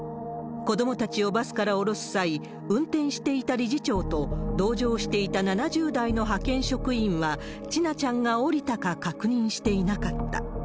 子どもたちをバスから降ろす際、運転していた理事長と、同乗していた７０代の派遣職員は、千奈ちゃんが降りたか確認していなかった。